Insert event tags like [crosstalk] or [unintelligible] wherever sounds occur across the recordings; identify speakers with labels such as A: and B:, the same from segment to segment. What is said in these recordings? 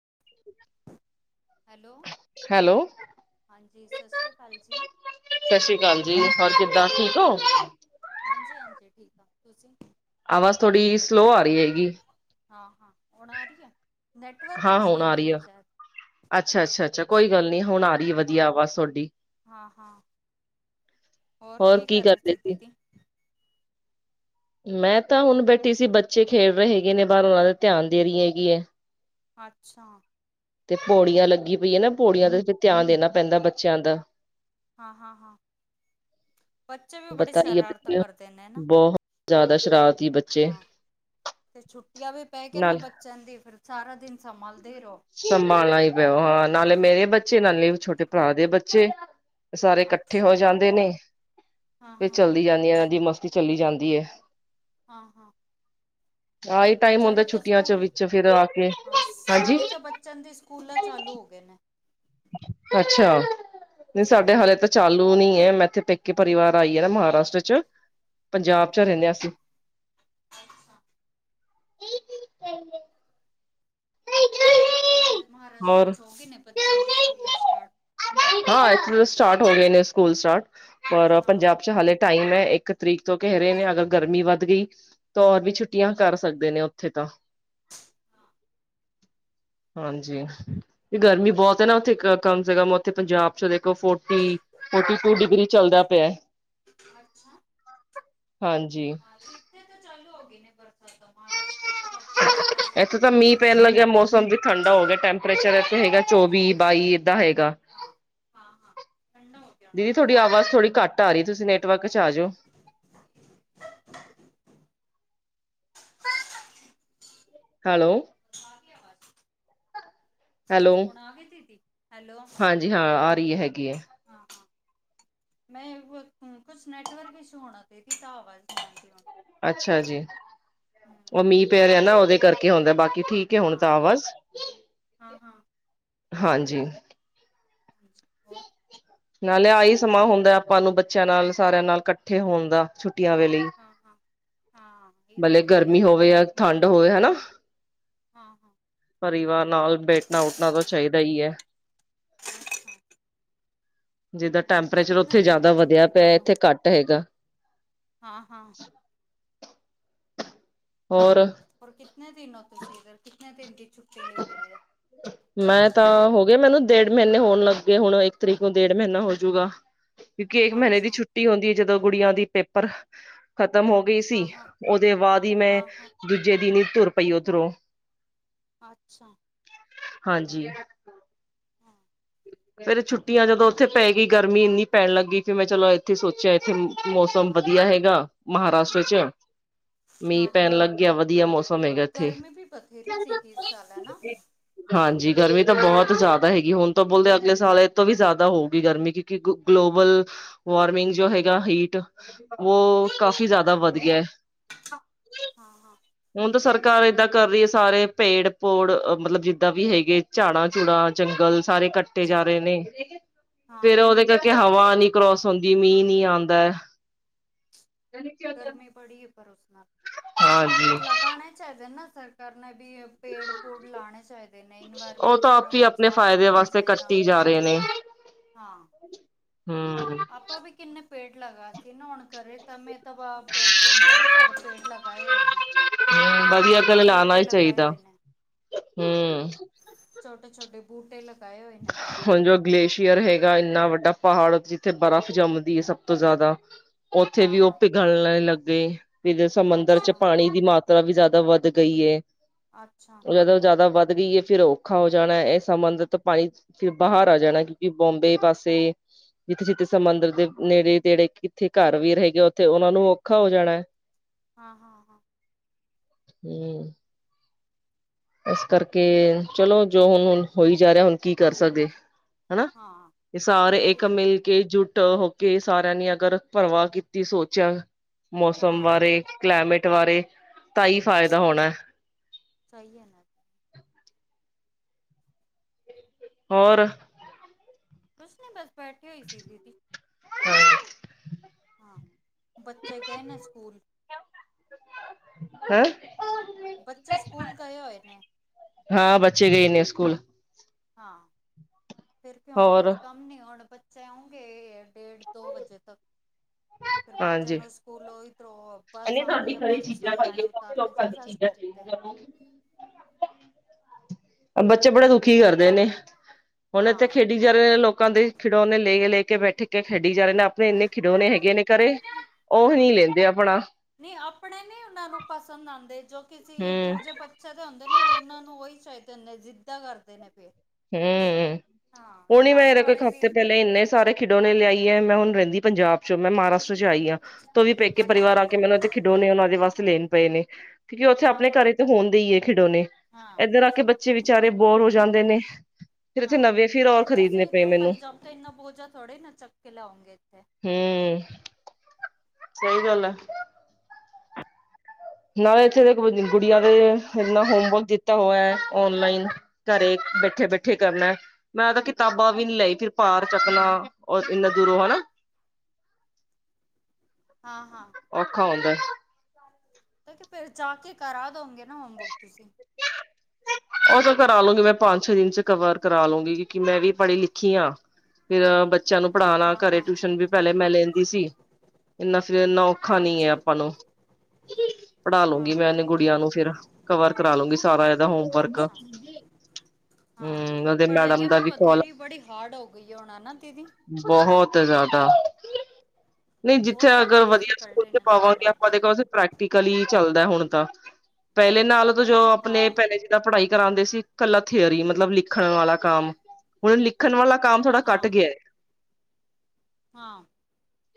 A: [unintelligible]
B: Hello,
A: hello
B: ਹਾਂਜੀ ਸਤਿ ਸ੍ਰੀ ਅਕਾਲ ਜੀ,
A: ਸਤਿ ਸ੍ਰੀ ਅਕਾਲ ਜੀ, ਹੋਰ ਕਿਦਾਂ ਠੀਕ
B: ਹੋਰ
A: ਔ?
B: ਹਾਂਜੀ ਹਾਂਜੀ ਠੀਕ ਆ ਤੁਸੀਂ
A: ਆਵਾਜ਼ ਥੋੜ੍ਹੀ, ਸਲੋ ਆ ਰਹੀ ਹੈਗੀ।
B: ਹਾਂ-ਹਾਂ ਹੁਣ ਆ ਰਹੀ ਹੈ, ਨੈਟਵਰਕ ਇਸ਼ੂ ਐ ਸ਼ਾਇਦ
A: ਅੱਛਾ-ਅੱਛਾ-ਅੱਛਾ, ਕੋਈ ਗੱਲ ਨੀ ਹੁਣ ਰਹੀ ਵਧੀਆ ਅਵਾਜ ਤੁਹਾਡੀ
B: ਹਾਂ-ਹਾਂ, ਹੋਰ ਕੀ ਕਰ ਰਹੇ ਸੀ, ਦੀਦੀ?
A: ਮੈਂ ਤਾਂ ਹੁਣ ਬੈਠੀ ਸੀ, ਬੱਚੇ ਖੇਡ ਰਹੇ ਹੈਗੇ ਨੇ ਬਾਹਰ ਉਹਨਾਂ ਦੇ ਧਿਆਨ ਦੇ ਰਹੀ ਹੈਗੀ ਏ।
B: ਅੱਛਾ,
A: ਤੇ ਪੌੜੀਆਂ ਲੱਗੀ ਪਈਆਂ ਨਾ ਪੌੜੀਆਂ ਦਾ ਫਿਰ ਧਿਆਨ ਦੇਣਾ ਪੈਂਦਾ ਬੱਚਿਆਂ ਦਾ,
B: ਹਾਂ-ਹਾਂ-ਹਾਂ, ਬੱਚੇ ਵੀ ਬੜੀ
A: ਪਤਾ ਹੀ ਹੈ
B: ਸ਼ਰਾਰਤ
A: ਬੱਚੇ
B: ਕਰਦੇ ਨੇ ਨਾ।
A: ਬਹੁਤ ਜ਼ਿਆਦਾ ਸ਼ਰਾ
B: ਹਾਂ ਤੇ ਛੁੱਟੀਆਂ ਵੀ ਪੈ ਗਏ, ਨੇ
A: ਨਾਲ
B: ਬੱਚਨ ਦੀ ਫਿਰ ਸਾਰਾ ਦਿਨ ਸੰਭਾਲ
A: ਸੰਭਾਲਣਾ ਹੀ ਪੈਓ, ਹਾਂ ਨਾਲੇ ਮੇਰੇ ਬੱਚੇ
B: ਹਾਂ
A: ਨਾਲੇ ਛੋਟੇ ਭਰਾ ਦੇ ਬੱਚੇ ਸਾਰੇ ਇਕੱਠੇ
B: ਅੱਛਾ
A: ਹੋ ਜਾਂਦੇ ਨੇ,
B: ਹਾਂ
A: ਫੇਰ
B: ਹਾਂ ਹਾਂ
A: ਚੱਲਦੀ ਜਾਂਦੀਆਂ ਇਹ ਦੀ ਮਸਤੀ ਚੱਲੀ ਜਾਂਦੀ। ਦੀਏ,
B: ਹਾਂ,
A: ਆਹ ਹੀ ਟਾਈਮ ਹੁੰਦਾ
B: ਸਾਡੇ ਤਾਂ
A: ਛੁੱਟੀਆਂ ਚ
B: ਸਕੂਲ
A: ਵਿੱਚ ਫੇਰ ਆ ਕੇ ਹਾਂਜੀ।
B: ਚੰ ਦੀ ਸਕੂਲਾਂ ਚਾਲੂ ਹੋ ਗਏ ਨੇ
A: ਅੱਛਾ ਨਹੀਂ ਸਾਡੇ
B: ਹਾਂ
A: ਹਾਲੇ ਤਾਂ ਚਾਲੂ ਨੀ ਮੈਂ ਇੱਥੇ ਪੇਕੇ ਪਰਿਵਾਰ ਆਈ ਹੈ ਨਾ ਮਹਾਰਾਸ਼ਟਰ ਚ ਪੰਜਾਬ ਚ
B: ਅੱਛਾ
A: ਰਹਿੰਦੇ ਹ ਅਸੀ
B: ਅੱਛਾ
A: [unintelligible]
B: ਸਾੇ ਇਥੇ ਮਹਾਰਾਸ਼ਟਰ
A: ਹੋਰ
B: ਚ ਹੋ ਗਏ ਨੇ ਬੱਚਨ ਦੀ ਸਕੂਲਾਂ ਸਟਾਰਟ
A: ਹਾਂ ਸਟਾਰਟ ਹੋ ਗਏ ਨੇ ਸਕੂਲ ਸਟਾਰਟ ਪਰ ਪੰਜਾਬ ਚ ਹਾਲੇ ਟਾਈਮ ਹੈ ਇੱਕ ਤਰੀਕ ਤੋਂ ਕਹਿ ਰਹੇ ਨੇ ਅਗਰ ਗਰਮੀ ਵੱਧ ਗਈ ਤਾਂ ਹੋਰ ਵੀ ਛੁੱਟੀਆਂ ਕਰ ਸਕਦੇ ਨੇ ਉੱਥੇ ਤਾਂ [unintelligible] ਹਾਂਜੀ ਗਰਮੀ ਬਹੁਤ ਹੈ ਨਾ ਉੱਥੇ ਕਮ ਸੇ ਕਮ ਉੱਥੇ ਪੰਜਾਬ ਚ ਦੇਖ ਫੋਰਟੀ ਫੋਰਟੀ ਟੂ ਡਿਗਰੀ ਚੱਲਦਾ ਪਿਆ
B: ਅੱਛਾ
A: ਹਾਂਜੀ
B: ਚਾਲੂ ਹੋਗੀ ਨੇੇ ਬਰਸਾਤਾਂ ਮਹਾਰਾਸ਼ਟਰ ਤੇ ਬਰ
A: ਇੱਥੇ ਤਾਂ ਮੀਂਹ ਪੈਣ ਲੱਗਿਆ ਮੌਸਮ ਵੀ ਠੰਡਾ ਹੋ ਗਿਆ ਟੈਂਪਰੇਚਰ
B: ਹਾਂ
A: ਇੱਥੇ ਹੈਗਾ ਚੌਵੀ ਬਾਈ ਦਾ ਹੈਗਾ
B: ਹਾਂ ਹਾਂ ਹਾਂ ਠੰਡਾ ਹੋ ਗਿਆ ਹੁਣ
A: ਦੀਦੀ ਤੁਹਾਡੀ
B: ਮੌਸਮ
A: ਆਵਾਜ਼ ਥੋੜ੍ਹੀ ਘੱਟ ਆ ਰਹੀ ਤੁਸੀਂ ਨੈਟਵਰਕ ਚ ਆ ਜਾਓ [unintelligible] ਹੈਲੋ
B: ਬਸ ਆ ਗਿਆ ਆਵਾਜ਼
A: ਹੈਲੋ
B: ਹੁਣ ਆ ਤੀ ਤੀ
A: ਹਾਂਜੀ ਹਾਂ ਆ ਰਹੀ ਹੈ ਹੈਗੀ
B: ਹਾਂ ਹਾਂ ਮੈਂ ਕੁਛ ਨੈਟਵਰਕ ਇਸ਼ੂ ਹੋਣਾ ਚਾ ਤਾਂ ਆਵਾਜ਼ ਨਿ ਆਂਦੀ
A: ਅੱਛਾ ਜੀ ਉਹ ਮੀਂਹ ਪਿਆ ਰਿਹਾ ਨਾ ਉਹਦੇ ਕਰਕੇ ਹੁੰਦਾ ਬਾਕੀ ਠੀਕ ਹੈ
B: ਹਾਂ
A: ਹੁਣ ਤਾਂ ਆਵਾਜ਼
B: ਹਾਂ ਹਾਂ
A: ਹਾਂਜੀ
B: ਹਾਂਜੀ ਹੋਰ
A: ਨਾ ਲਿਆ ਹੀ ਸਮਾਂ ਹੁੰਦਾ ਆਪਾਂ ਨੂੰ ਬੱਚਿਆਂ ਨਾਲ ਸਾਰਿਆਂ ਨਾਲ ਇਕੱਠੇ ਹੋਣ ਦਾ ਛੁੱਟ ੱਟੀਆਂ ਵੇ ਲਈ
B: ਹਾਂ ਹਾਂ ਹਾਂ ਇਹ ਤਾਂ
A: ਬੱਲੇ
B: ਗੱਲ
A: ਗਰਮੀ
B: ਸਹੀ ਹੈ
A: ਹੋਵੇ ਜਾਂ ਠੰਡ ਹੋਵੇ ਹਨਾ
B: ਹਾਂ ਹਾਂ
A: ਪਰਿਵਾਰ ਨਾਲ ਬੈਠਣਾ ਉੱਠਣਾ ਤਾਂ ਚਾਹੀਦਾ ਹੀ ਹੈ
B: ਅੱਛਾ
A: ਜਿਦਾਂ
B: ਤੇ
A: ਟੈਂਪਰੇਚਰ
B: ਕਿੰਨੇ
A: ਉੱਥੇ
B: ਦਿਨ ਦੀ
A: ਜਿਆਦਾ ਵਧਿਆ ਪਿਆ ਇੱਥੇ ਕੱਟ ਹੈਗਾ
B: ਹਾਂ
A: ਹੋਰ
B: ਹੋਰ ਕਿਤਨੇ ਦਿਨ ਹੋ ਤੁਸੀਂ ਇਧਰ ਕਿਤੇ ਦਿਨ
A: ਮੈਂ ਤਾਂ ਹੋ ਗਿਆ ਮੈਨੂੰ ਡੇਢ ਮਹੀਨੇ ਹੋਣ ਲੱਗੇਏ ਹੁਣ ਇੱਕ ਤਰੀਕ ਨੂੰ ਡੇਢ ਮਹੀਨਾ ਹੋਜੂਗਾ ਕਿਉਂਕਿ ਇੱਕ ਮਹੀਨੇ ਦੀ ਛੁੱਟੀ ਹੁੰਦੀ ਹੈ ਜਦੋਂ ਗੁੜੀਆਂ ਦੀ ਪੇਪਰ ਖ਼ਤ ਖ਼ਤਮ ਹੋ ਗਈ ਸੀ ਉਹਦੇ ਬਾਅਦ ਹੀ ਮੈਂ ਦੂਜੇ ਦਿਨ ਹੀ ਤੁਰ ਪਈ ਉੱਧਰੋਂ
B: ਅੱਛਾ
A: ਹਾਂਜੀ ਫੇਰ ਛੁੱਟੀਆਂ ਜਦੋਂ ਉੱਥੇ ਪੈ ਗਈ ਗਰਮੀ ਇੰਨੀ ਪੈਣ ਲੱਗੀ ਫਿਰ ਮੈਂ ਚਲੋ ਇੱਥੇ ਸੋਚਿਆ ਇੱਥੇ ਮੌਸਮ ਵਧੀਆ ਹੈਗਾ ਮਹਾਰਾਸ਼ਟਰ ਚ ਮੀਂਹ ਪੈਣ ਲੱਗ ਗਿਆ ਵਧੀਆ ਮੌਸਮ ਹੈਗਾ ਇੱਥੇ। ਹਾਂਜੀ ਗਰਮੀ ਤਾਂ ਬਹੁਤ ਜ਼ਿਆਦਾ ਹੈਗੀ ਹੁਣ। ਬੋਲਦੇ ਅਗਲੇ ਸਾਲ ਇਹ ਤੋਂ ਵੀ ਜ਼ਿਆਦਾ ਹੋਊਗੀ ਗਰਮੀ ਕਿਉਂਕਿ ਗਲੋਬਲ ਵਾਰਮਿੰਗ ਜੋ ਹੈਗਾ ਹੀਟ ਉਹ ਕਾਫੀ ਜ਼ਿਆਦਾ ਵੱਧ ਗਿਆ ਹੈ। ਹੁਣ ਸਰਕਾਰ ਏਦਾਂ ਕਰ ਰਹੀ ਹੈ ਸਾਰੇ ਪੇੜ ਪੌੜ ਮਤਲਬ ਜਿੱਦਾਂ ਵੀ ਹੈਗੇ ਝਾੜਾਂ ਚਝੂੜਾਂ ਜੰਗਲ ਸਾਰੇ ਕੱਟੇ ਜਾ ਰਹੇ ਨੇ ਫੇਰ ਉਹਦੇ ਕਰਕੇ ਹਵਾ ਨੀ ਕਰੋਸ ਹੁੰਦੀ ਮੀਂਹ ਨੀ ਆਉਂਦਾ
B: ਗਰਮੀ ਬੜੀ ਹੈ ਉਸ ਨਾਲ,
A: ਹਾਂਜੀ
B: ਲਗਣੇ ਚਹਿਦੇਨੇ ਸਰਕਾਰ ਨੇ ਵੀ ਪੇੜ -ਪੌੜ ਲਾਉਣੇ ਚਾਹੀਦੇ ਨੇ।
A: ਉਹ
B: ਇਨਵਾਇਰਮੈਂਟ
A: ਤਾਂ
B: ਜਰਾ
A: ਆਪ ਹੀ
B: ਕੁ
A: ਆਪਣੇ
B: ਸਾਫ਼
A: ਫਾਇਦੇ
B: ਰੱਖਣਾ
A: ਵਾਸਤੇ
B: ਚਾਹੀਦਾ।
A: ਕੱਟੀ ਜਾ ਰਹੇ ਨੇ
B: ਹਾਂ।
A: ਹਮ।
B: ਆਪਾਂ ਵੀ ਕਿੰਨੇ ਪੇੜ ਲਗਾ ਸੀ ਨਹਾਣ ਕਰੇ ਤਾਂ ਮੈਂ ਤਾਂ ਬੜੇ ਸਾਰੇ ਪੇੜ ਲਗਾਏ ਹੋਏ ਨੇ।
A: ਹਮ
B: ਛੋਟੇ -ਛੋਟੇ ਬੂਟੇ ਲਗਾਏ ਹੋਏ ਨੇ।
A: ਹਮ।
B: ਛੋ ਬੂਟੇ ਲੱਗੇ।
A: ਹੁਣ ਜੋ ਗਲੇਸ਼ੀਅਰ ਹੈਗਾ ਇੰਨਾ ਵੱਡਾ ਪਹਾੜ ਉੱਥੇ ਬਰਫ਼ ਜੰਮਦੀ ਹੈ ਸਭ ਤੋਂ ਜ਼ਿਆਦਾ। ਉੱਥੇ ਵੀ ਉਹ
B: ਹਾਂ-ਹਾਂ
A: ਪਿਘਲ ਲੱਗੇ ਸਮੁੰਦਰ 'ਚ
B: ਅੱਛਾ-ਅੱਛਾ
A: ਪਾਣੀ ਦੀ ਮਾਤਰਾ ਵੀ ਜਿਆਦਾ ਵੱਧ ਗਈਏ। ਉਹ ਜਦੋਂ ਜਿਆਦਾ ਵੱਧ ਵੱਧ ਗਈਏ ਫਿਰ ਔਖਾ ਹੋ ਜਾਣਾ ਇਹ ਸੰਬੰਧਿਤ ਪਾਣੀ ਫਿਰ ਬਾਹਰ ਆ ਜਾਣਾ ਕਿਉਂਕਿ ਬਓਬੇ ਪਾਸੇ ਜਿੱਥੇ -ਜਿੱਥੇ ਸਮੁੰਦਰ ਦੇ ਨੇੜੇ -ਤੇੜੇ ਕਿੱਥੇ ਘਰ ਵੀਰ ਹੈਗੇ ਆ ਉੱਥੇ ਉਹਨਾ ਨੂੰ ਔਖਾ ਹੋ ਜਾਣਾ ਹੈ।
B: ਹਾਂ -ਹਾਂ -ਹਾਂ।
A: ਹਮ। ਇਸ ਕਰਕੇ ਚਲੋ ਜੋ ਹੁਣ ਹੋਈ ਜਾ ਰਿਹਾ ਹੁਣ ਕੀ ਕਰ ਸਕਦੇ। ਹਨਾ!
B: ਹਾਂ
A: ਇਹ ਸਾਰੇ
B: ਸਹੀ
A: ਇੱਕ
B: ਹੈ ਨਾ
A: -ਮਿਲ ਕੇ ਜੂਠ ਹੋ ਕੇ ਸਾਰਿਆਂ ਨੇ ਅਗਰ ਪਰਵਾ ਕੀਤੀ ਸੋਚਿਆ ਮੌਸਮ
B: ਹਾਂ
A: ਬਾਰੇ ਕਲਾਈਮੇਟ ਬਾਰੇ ਤਾਂ ਹੀ ਫਾਇਦਾ ਹੋਣਾ।
B: ਸਹੀ ਹੈ ਨਾ।
A: ਹੋਰ।
B: ਕੁਛ ਨੀ ਬਸ ਬੈਠੇ ਹੋਈ ਸੀ ਦੀਦੀ।
A: ਹਮ।
B: ਹਾਂ, ਬੱਚੇ ਗਏ ਨੇ ਸਕੂਲ।
A: ਹੈ।
B: ਬੱਚੇ ਸਕੂਲ ਗਹੇ ਹੋਏ ਨੇ।
A: ਹਾਂ, ਬੱਚੇ ਗਏ ਨੇ ਸਕੂਲ।
B: ਹਾਂ ਫਿਰ ਕਿ ਹੁਣ ਕੁੱਝ
A: ਹੋਰ
B: ਕੰਮ ਨੀ ਹੁਣ ਬੱਚੇ ਆਉਂਗੇ ਡੇਢ -ਦੋ ਵਜੇ ਤੱਕ। ਫਿਰ ਬੱਚਿਆਂ ਨੂੰ ਸਕੂਲੋਂ ਹੀ ਤਰੋ
A: ਇਹ ਤੁਹਾਡੀ ਘਰੇ ਚੀਜ਼ਾਂ ਖਾਈ ਤਾਂ ਲੋਕਾਂ
B: ਜਾ
A: ਦੀ
B: ਸਾ
A: ਚੀਜ਼ਾਂ
B: ਸਟੋਪ ਤੇ
A: ਚਾਹਿਦੀਆ। ਬੱਚੇ ਬੜੇ ਦੁਖੀ ਕਰਦੇ ਨੇ। ਹੁਣ ਇੱਥੇ
B: ਹਾਂ
A: ਖੇਡੀ ਜਾ ਰਹੇ ਨੇ ਲੋਕਾਂ ਦੇ ਖਿਡੌਨੇ ਲੈ ਕੇ- ਲੈ ਕੇ ਬੈਠੇ ਕੇ ਖੇਡ ਡੀ ਜਾ ਰਹੇ ਨੇ ਆਪਣੇ ਇੰਨੇ ਖਿਡੌਣੇ ਹੈਗੇ ਨੇ ਘਰੇ
B: ਹਾਂ
A: ਉਹਹੀ ਨਹੀਂ ਲੈਂਦੇ ਆਪਣਾ।
B: ਨਹੀਂ ਆਪਣੇ ਨੀ ਉਹਨਾ ਨੂੰ ਪਸੰਦ ਆਉਂਦੇ ਜੋ ਕਿਸੀ
A: ਹੂੰ-ਹੂੰ,
B: ਦੂਜੇ ਬੱਚੇ ਦੇ ਹੁੰਦੇ ਨੇ, ਉਹਨਾਂ ਨੂੰ ਉਹੀ ਚਾਹੀਦੇ ਹੁੰਦੇ। ਜਿੱਦਾਂ ਕਰਦੇ ਨੇ ਫੇਰ।
A: ਹਮ! ਹੁਣੀ
B: ਸਾਡੇ
A: ਮੈਂ ਕੋ
B: ਵਾਲੇ ਵੀ
A: ਹਫ਼ਤੇ ਪਹਿਲੇ ਇੰਨੇ ਸਾਰੇ ਖਿਡੌਣੇ ਲਿਆਈ ਹੈ ਮੈਂ ਹੁਣ ਰਹਿੰਦੀ ਪੰਜਾਬ ਚੋਂ ਮੈਂ ਮਹਾਰਾਸ਼ਟਰ ਚ ਆਈ ਹਾਂ ਤ ਉਹ ਵੀ ਪੇਕੇ
B: ਅੱਛਾ
A: ਪਰਿਵਾਰ ਆ ਕੇ ਮੈਨੂੰ ਇੱਥੇ ਖਿਡੋਣੇ ਉਹਨਾਂ ਦੇ ਵਾਸਤੇ ਲੈਣ ਪਏ ਨੇ। ਕਿਉਂਕਿ ਉੱਥੇ
B: ਹਾਂ
A: ਆਪਣੇ
B: ਹਾਂ
A: ਘਰੇ ਤਾਂ ਹੋਣਦੇ ਹੀ ਹੈ ਖਿਡੌਣੇ
B: ਹਾਂ
A: ਇੱਧਰ ਆ ਕੇ ਬੱਚੇ ਵਿਚਾਰੇ ਬੋਰ ਹੋ ਜਾਂਦੇ ਨੇ। ਫਿਰ ਇੱਥੇ
B: ਹਾਂ
A: ਨਵੇਂ ਫਿਰ ਔਰ
B: ਪਰ ਤੁਸੀਂ
A: ਖਰੀਦਣੇ ਪਏ
B: ਇੱਧਰੋਂ
A: ਮੈਨੂੰ
B: ਪੰਜਾਬ ਤੋਂ ਇੰਨਾ ਬੋਝਾ ਥੋੜ੍ਹੇ ਨਾ ਚੱਕ ਕੇ ਲਾਓਗੇ ਇੱਥੇ।
A: ਹਮ! ਸਹੀ ਗੱਲ ਹੈ। ਨਾਲੇ ਇੱਥੇ ਦੇ ਗੁੜੀਆਂ ਦੇ ਇਨਾ ਹੋਮਵਰਕ ਦਿੱਤਾ ਹੋਇਆ ਹੈ ਔਨਲਾਈਨ ਘਰੇ ਬੈਠੇ -ਬੈਠੇ ਕਰਨਾ ਮੈਂ ਤਾ ਕਿਤਾਬਾਂ ਵੀ ਨੀ ਲਈ। ਫਿਰ ਭਾਰ ਚੱਕਣਾ ਔਰ ਇੰਨਾ ਦੂਰੋਂ ਹਨਾ।
B: ਹਾਂ ਹਾਂ
A: ਔਖਾ ਹੁੰਦਾ।
B: ਤਾਂ ਫਿਰ ਜਾ ਕੇ ਕਰਾ ਦਉਗੇ ਨਾ ਹੋਮਵਰਕ, ਤੁਸੀਂ?
A: ਉਹ ਤਾਂ ਕਰਾ ਲਉਗੀ ਮੈਂ ਪੰਜ ਛੇ ਦਿਨ 'ਚ ਕਵਰ ਕਰਾ ਲਉਗੀ, ਕਿਉਂਕਿ ਮੈਂ ਵੀ ਪੜ੍ਹੀ ਲਿਖੀ ਆ। ਫਿਰ ਬੱਚਿਆਂ ਨੂੰ ਪੜ੍ਹਾਣਾ
B: ਹਾਂ
A: ਘਰੇ
B: ਹਾਂ
A: ਟਿਊਸ਼ਨ ਵੀ ਪਹਿਲੇ ਮੈਂ ਲੈਂਦੀ ਸੀ। ਇੰਨਾ ਫਿਰ ਇਨਾ ਔਖਾ ਨਹੀਂ ਹੈ
B: ਅੱਛਾ
A: ਆਪਾਂ ਨੂੰ। ਪੜ੍ਹਾ ਲੂੰਗੀ
B: ਹਾਂ
A: ਮੈਂ ਇਹਨੇ ਗੁੜੀਆਂ ਨੂੰ ਫ਼ਿਰ, ਕਵਰ ਕਰਾ ਲੂੰਗੀ ਸਾਰਾ ਇਹਦਾ ਹੋਮਵਰਕ।
B: ਹਾਂ
A: ਹਮ ਉਹਦੇ ਮੈਡਮ
B: ਪੜ੍ਹਾਈਆਂ
A: ਦਾ
B: ਵੀ
A: ਕੋਲ
B: ਬਥੇਰੀ ਬੜੀ ਹਾਰਡ ਹੋ ਗਈ ਆ ਹੁਣ ਹਨਾਂ।
A: ਬਹੁਤ ਜ਼ਿਆਦਾ। ਨਹੀਂ ਜਿੱਥੇ
B: ਬਹੁਤ ਜ਼ਿਆਦਾ
A: ਅਗਰ ਵਧੀਆ
B: ਡਿਫੀਕਲਟ
A: ਸਕੂਲ
B: ਹੈ
A: ਤੇ
B: ਇਹਨਾਂ ਦੀ
A: ਪਾਵਾਂਗੇ
B: ਪੜ੍ਹਾਈ
A: ਆਪਾਂ ਦੇਖੋ ਪ੍ਰੈਕਟੀਕਲੀ ਚੱਲਦਾ ਹੁਣ ਤਾਂ, ਪਹਿਲੇ ਨਾਲ ਤਾਂ ਜੋ ਆਪਣੇ
B: ਹਾਂ
A: ਪਹਿਲੇ ਜੀ ਦਾ ਪੜ੍ਹਾਈ ਕਰਾਂਂਦੇ ਸੀ ਕੱਲਾ ਥਿਅਰੀ, ਮਤਲਬ ਲਿਖਣ ਵਾਲਾ ਕੰਮ, ਹੁਣ ਲਿਖਣ ਵਾਲਾ ਕੰਮ ਥੋੜ੍ਹਾ ਘੱਟ
B: ਹਾਂ
A: ਗਿਆ ਏ।
B: ਹਾਂ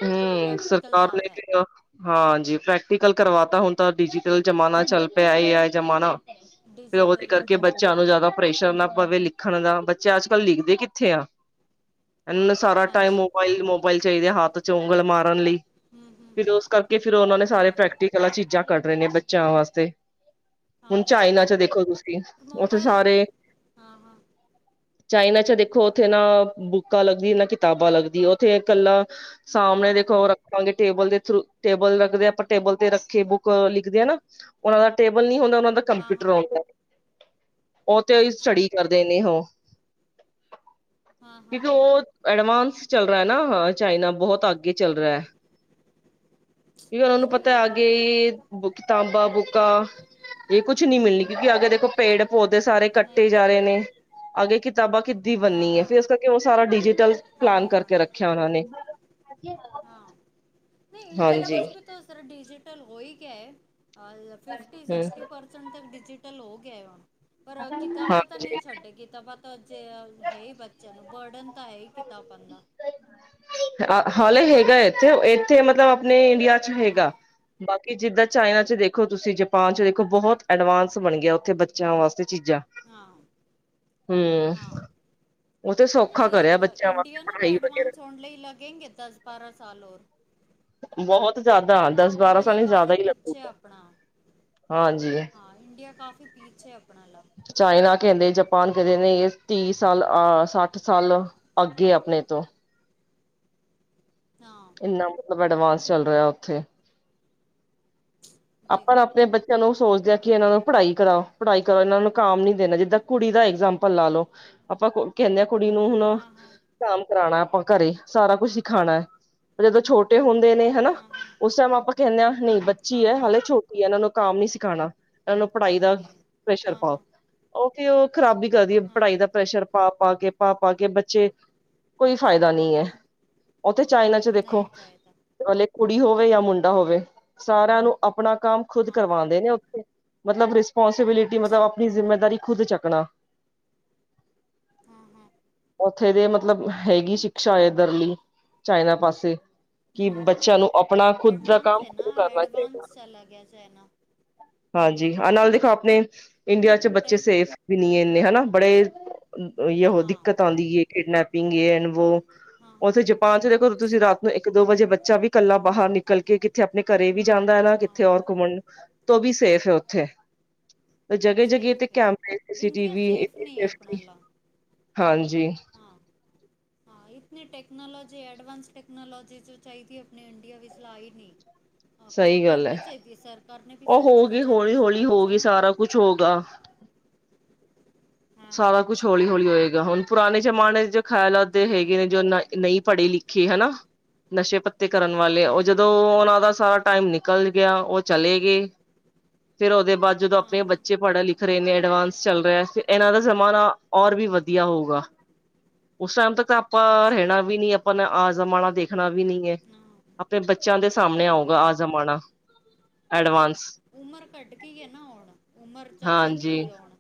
A: ਹੂ ਸਰਕਾਰ ਨੇ ਕਿੰਨਾ ਹਾਂਜੀ ਪ੍ਰੈਕਟੀਕਲ ਕਰਵਾਤਾ ਹੁਣ ਤਾਂ ਡਿਜੀਟਲ ਜਮਾਨਾ ਚੱਲ ਪਿਆ ਏ, ਏ ਆਈ ਜਮਾਨਾ। ਫਿਰ ਔਦੇ ਕਰਕੇ ਬੱਚਿਆਂ ਨੂੰ ਜਿਆਦਾ ਪ੍ਰੈਸ਼ਰ ਨਾ ਪਵੇ ਲਿਖ ਲਿਖਣ ਦਾ ਬੱਚੇ ਅੱਜ ਕੱਲ੍ਹ ਲਿਖਦੇ ਕਿੱਥੇ ਆ। ਇਹਨਾਂ ਸਾਰਾ ਟਾਈਮ ਮੋਬਾਈਲ, ਮੋਬਾਈਲ ਚਾਹੀਦੇ ਆ, ਹੱਥ 'ਚ ਉਂਗਲ ਮਾਰਨ ਲਈ। ਫਿਰ ਉਸ ਕਰਕੇ, ਫਿਰ ਉਹਨਾਂ ਨੇ ਸਾਰੇ ਪ੍ਰੈਕਟੀਕਲ ਚੀਜ਼ਾਂ ਕੱਢ ਰਹੇ ਨੇ ਬੱਚਿਆਂ ਵਾਸਤੇ। ਹੁਣ ਚਾਈਨਾ 'ਚ ਦੇਖੋ ਤੁਸੀਂ, ਉੱਥੇ ਸਾਰੇ ਚਾਈਨਾ 'ਚ ਦੇਖੋ ਉੱਥੇ ਨਾ ਬੁੱਕਾਂ ਲੱਗਦੀ ਏ, ਨਾ ਕਿਤਾਬਾਂ ਲੱਗਦੀ ਏ, ਉੱਥੇ ਇਕੱਲਾ ਸਾਹਮਣੇ ਦੇਖੋ ਉਹ ਰੱਖਾਂਗੇ। ਟੇਬਲ ਦੇ ਥਰੂ ਟੇਬਲ ਰੱਖਦੇ ਆਪਾਂ ਟੇਬਲ ਤੇ ਰੱਖੇ ਬੁੱਕ ਲਿਖਦੇ ਹ ਨਾ, ਉਹਨਾ ਦਾ ਟੇਬਲ ਨੀ ਹੁੰਦਾ। ਉਹਨਾਂ ਦਾ ਕੰਮ ਕੰਪਿਊਟਰ ਔਨ ਹੁੰਦਾਂ। ਔ ਤੇ ਹੀ ਸਟੱਡੀ ਕਰਦੇ ਨੇ ਔਹ। ਕਿਉਂਕਿ ਉਹ ਐਡਵਾਂਸ ਚੱਲ ਰਿਹਾ ਨਾ, ਹਾਂ ਚਾਈਨਾ ਬਹੁਤ ਅੱਗੇ ਚੱਲ ਰਿਹਾ ਹੈ। ਕੀ ਉਹਨਾਂ ਨੂੰ ਪਤਾ ਆਗੇ ਬੁ ਕਿਤਾਬਾਂ ਬੁੱਕਾ ਇਹ ਕੁਛ ਨਹੀਂ ਮਿਲਣੀ, ਕਿਉਂਕਿ ਅਗੇ ਦੇਖੋ ਪੇੜ੍ਹ-ਪੌਦੇ ਸਾਰੇ ਕੱਟੇ ਜਾ ਰਹੇ ਨੇ, ਅਗੇ ਕਿਤੇ ਕਿਤਾਬਾਂ ਕਿੱਦੀ ਬੰਨਣੀ ਹੈ, ਫਿਰ ਇਸ ਕਰਕੇ ਉਹ ਸਾਰਾ ਡਿਜੀਟਲ ਪਲਾਨ ਕਰਕੇ ਰੱਖਿਆ ਉਹਨਾਂ ਨੇ। ਹਾਂਜੀ।
B: ਨਹੀਂ ਇੰਡੀਆ ਵਿੱਚ ਵੀ ਤਾਂ ਸਾਰਾ ਡਿਜੀਟਲ ਹੋ ਹੀ ਗਿਆ ਹੈ। ਫਿਫਟੀ
A: ਹਮ
B: ਸਿਕਸਟੀ ਪਰਸੈਂਟ ਤੇ ਡਿਜੀਟਲ ਹੋ ਗਿਆ ਵਾ। ਪਰ ਕਿਤਾਬਾਂ ਤਾਂ
A: ਹਾਂਜੀ
B: ਨਹੀਂ ਛੱਡੇ, ਕਿਤਾਬਾਂ ਤਾਂ ਅਜੇ ਹੈ ਹੀ ਬੱਚਿਆਂ ਨੂੰ ਬਰਡਨ ਤਾਂ ਇਹ ਕਿੱਤਾਬਾਂ ਨੂੰ ਨਾ
A: ਹਾਲੇ ਹੈਗਾ ਇੱਥੇ, ਇੱਥੇ ਮਤਲਬ ਆਪਣੇ ਇੰਡੀਆ 'ਚ ਹੈਗਾ,
B: ਹਾਂ
A: ਬਾਕ ਕਿ ਜਿੱਦਾਂ ਚਾਈਨਾ 'ਚ ਦੇਖੋ, ਤੁਸੀਂ ਜਪਾਨ 'ਚ ਦੇਖੋ, ਬਹੁਤ ਐਡਵਾਂਸ ਬਣ ਗਿਆ ਉੱਥੇ, ਬੱਚਿਆਂ ਵਾਸਤੇ। ਤੇ ਚੀਜ਼ਾਂ, ਹੂ ਉਹ ਤੇ ਸੌਖਾ ਕਰਿਆ ਬੱਚਿਆਂ ਵਾਸਤੇ
B: ਇੰਡੀਅਨ ਨੂੰ ਪਏ
A: ਪੜ੍ਹਾਈ
B: ਐਡਵਾਂਸ
A: ਵਗੈਰਾ
B: ਹੋਣ ਲਈ ਲਗੇਗੇ ਦਸ, ਬਾਰਾਂ ਸਾਲ ਹੋਰ।
A: ਬਹੁਤ ਜ਼ਿਆਦਾ। ਦਸ ਬਾਰਾਂ
B: ਇੰਡੀਆ
A: ਸਾਲ
B: ਕਾਫੀ
A: ਜ਼ਿਆਦਾ ਹੀ
B: ਪਿੱਛੇ ਆ
A: ਲੱਗੂਗਾ
B: ਆਪਣਾ,
A: ਹਾਂਜੀ
B: ਹਾਂ ਇੰਡੀਆ ਕਾਫੀ ਪਿੱਛੇ ਆ ਆਪਣਾ।
A: ਚਾਈਨਾ ਕਹਿੰਦੇ ਜਪਾਨ ਕਹਿੰਦੇ ਨੇ ਤੀਹ ਸਾਲ, ਅਹ ਸੱਠ ਸਾਲ ਅੱਗੇ ਆ ਆਪਣੇ ਨਹੀਂ ਤੋਂ ਇਨ੍ਹਾਂ ਮਤਲਬ ਐਡਵਾਂਸ ਚੱਲ ਰਿਹਾ ਉੱਥੇ। ਆਪਾਂ ਨਾ ਆਪਣੇ ਬੱਚਿਆਂ ਨੂੰ ਸੋਚਦੇ ਆ ਕਿ ਇਹਨਾਂ ਨੂੰ ਪੜ੍ਹਾਈ ਕਰਾਓ, ਪੜ੍ਹਾਈ ਕਰੋ ਇਹਨਾਂ ਨੂੰ ਕਾਮ ਨੀ ਦੇਣਾ ਜਿੱਦਾਂ ਕੁੜੀ ਦਾ ਇਗਜਾਮਪਲ ਲਾ ਲਓ, ਅਪ [inaudible] ਕੁੜੀ ਨੂੰ ਹੁਣ ਕੰਮ ਕਰਾਉਣਾ ਆਪਾਂ ਘਰੇ, ਸਾਰਾ ਕੁਛ ਸਿਖਾਉਣਾ, ਜਦੋਂ ਛੋਟੇ ਹੁੰਦੇ ਨੇ ਹੈਨਾ, ਉਸ ਟਾਈਮ ਆਪਾਂ ਕਹਿੰਦੇ ਹਾਂ ਨਹੀਂ ਬੱਚੀ ਹੈ। ਹਾਲੇ ਇਹਨਾਂ ਨੂੰ ਕੰਮ ਨੀ ਸਿਖਾਣਾ, ਇਹਨਾਂ ਨੂੰ ਪੜ੍ਹਾਈ ਦਾ ਪ੍ਰੈਸ਼ਰ ਪਾਓ, ਔਕੇ ਔ। ਖਰਾਬੀ ਕਰਦੀ ਹੈ ਪੜ੍ਹਾਈ ਦਾ ਪ੍ਰੈਸ਼ਰ ਪਾ ਪਾ ਕੇ, ਪਾ-ਪਾ ਕੇ ਬੱਚੇ ਕੋਈ ਫਾਇਦਾ ਨਹੀਂ ਹੈ ਔਥੇ ਚਾਈਨਾ ਚ ਦੇਖੋ ਹੇ ਕੁੜੀ ਹੋਵੇ ਜਾਂ ਮੁੰਡਾ ਹੋਵੇ ਸਾਰਿਆਂ ਨੂੰ ਆਪਣਾ ਕੰਮ ਖੁਦ ਕਰਵਾਉਂਦੇ ਨੇ ਔਥੇ ਮਤਲਬ ਰਿਸਪੋਂਸਿਬਿਲਿਟੀ, ਮਤਲਬ ਆਪਣੀ ਜ਼ਿੰਮੇਦਾਰੀ ਖੁਦ ਚੱਕਣਾ
B: ਹਮ -ਹਮ
A: ਔਥੇ ਦੇ ਮਤਲਬ ਹੈਗੀ ਸ਼ਿਕਸ਼ਾ ਏਧਰ ਲਈ ਚਾਈਨਾ ਪਾਸੇ ਕਿ ਬੱਚਿਆਂ ਨੂੰ ਆਪਣਾ ਖੁਦ ਦਾ ਕੰਮ, ਖੁਦ ਕਰਨਾ ਚਾਹੀਦਾ
B: ਹੈ ਨਾ
A: ਹਾਂਜੀ, ਆ ਨਾਲ ਦੇਖੋ ਆਪਣੇ ਇੰਡੀਆ ਚ, ਬੱਚੇ ਸੇਫ ਵੀ ਨਹੀ ਇਨੇ, ਹਨਾ ਬੜੇ ਯ ਦਿੱਕਤ ਆਉਂਦੀ ਏ ਉੱਥੇ ਜਪਾਨ, ਚ ਦੇਖੋ ਤੁਸੀਂ ਰਾਤ ਨੂੰ ਇੱਕ ਜੇ ਵਜੇ ਬੱਚਾ ਵੀ ਇਕੱਲਾ, ਬਾਹਰ ਨਿਕਲ ਕੇ ਕਿੱਥੇ ਆਪਣੇ ਘਰੇ ਵੀ ਜਾਂਦਾ ਹੈ, ਨਾ ਕਿੱਥੇ ਔਰ ਘੁੰਮਣ ਤ ਵੀ ਸੇਫ ਉੱਥੇ ਜਗ੍ਹਾ ਜਗ੍ਹਾ ਤੇ ਕੈਮਟੀ ਸਿਟੀ, ਵੀ ਹਾਂਜੀ
B: ਹਾਂ, ਇਤਨੀ ਟੈਕਨੋਲੋਜੀ, ਐਡਵਾਂਸ ਟੈਕਨੋਲੋਜੀ, ਜੋ ਚਾਹੀਦੀ ਆਪਣੇ ਇੰਡੀਆ ਵਿੱਚ, ਆਈ ਨਹੀਂ ਆਹੋ,
A: ਸਹੀ ਗੱਲ
B: ਕਰਨੀ ਚਾਹੀਦੀ ਹੈ ਸਰ
A: ਉਹ, ਹੋ ਗਈ ਹੋੌਲੀ ਹੋੌਲੀ ਹੋ ਗਈ, ਸਾਰਾ ਕੁਛ ਹੋਗਾ ਸਾਰਾਕੁਛ, ਹੌਲੀ ਹੌਲੀ ਹੋਏਗਾ। ਹੁਣ ਪੁਰਾਣੇ ਜਮਾਨੇ ਜੋ ਖਿਆਲ ਦੇ ਹੈਗੇ ਨੇ, ਜੋ ਨਹੀਂ ਪੜ੍ਹੀ ਸਿੱਖੀ, ਹਨਾ ਨਸ਼ੇ ਪੱਤੇ, ਕਰਨ ਵਾਲੇ ਉਹ ਜਦੋਂ ਉਹਨਾਂ ਦਾ ਸਾਰਾ ਟਾਈਮ, ਨਿਕਲ ਗਿਆ ਉਹ ਚਲੇ [unintelligible] [inaudible] ਫੇਰ, ਉਹਦੇ ਬਾਅਦ ਜਦੋਂ ਆਪਣੇ ਬੱਚੇ ਪੜ੍ਹਨ ਲਿਖ ਰਹੇ ਨੇ, ਐਡਵਾਂਸ ਚੱਲ ਰਿਹਾ ਇਹਨਾਂ ਦਾ ਜਮਾਨਾ, ਔਰ ਵੀ ਵਧੀਆ ਹੋਊਗਾ, ਉਸ ਟਾਈਮ ਤ ਤਾਂ ਆਪਾਂ, ਰਹਿਣਾ ਵੀ ਨੀ ਆਪਾਂ ਨੇ, ਆ ਜਮਾਨਾ, ਦੇਖਣਾ ਵੀ ਨੀ ਹੈ ਆਪਣੇ ਬੱਚਿਆਂ, ਦੇ ਸਾਹਮਣੇ ਆਊਗਾ, ਆ ਜਮਾਨਾ
B: ਹਾਂ ਉਮਰ, ਕੱਢ ਕੇ ਹੈ ਨਾ ਆਉਣ, ਪਰ ਜ਼ਿਆਦਾ ਨੀ ਆਉਣ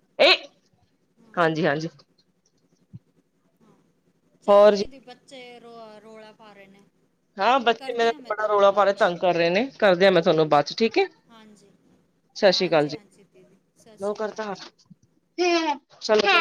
A: ਹਾਂਜੀ-ਹਾਂਜੀ
B: ਹਾਂ ਚਲੋ,
A: ਹੋਰ ਜੀ
B: ਦੀਦੀ ਬੱਚੇ ਰੋ ਰੌਲਾ ਪਾ ਰਹੇ ਨੇ
A: ਹਾਂ, ਬੱਚੇ ਮੇਰਾ
B: ਕਰਦੀ ਹਾਂ ਮੈਂ
A: ਬੜਾ
B: ਤੁਹਾਨੂੰ
A: ਰੌਲਾ ਪਾ ਰਹੇ
B: ਬਾਅਦ
A: ਸਤਿ
B: 'ਚ ਹਾਂਜੀ
A: ਸ੍ਰੀ ਅਕਾਲ
B: ਹਾਂਜੀ
A: ਜੀ,
B: ਹਾਂਜੀ ਦੀਦੀ ਸਤਿ
A: ਨੋ
B: ਸ਼੍ਰੀ ਅਕਾਲ
A: ਕਰਤਾਰ